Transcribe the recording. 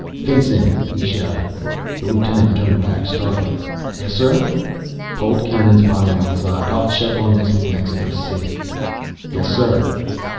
"Vinson!" he shouted. The lieutenant turned back, startled. "Yes, sir?" "Hold Kieran's body outside. I'll check on this with Mexico City." "Yes, sir."